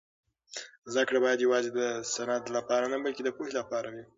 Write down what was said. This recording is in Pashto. زده کړه باید یوازې د سند لپاره نه بلکې د پوهې لپاره وي.